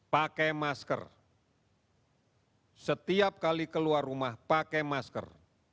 pakai masker setiap kali keluar rumah pakai masker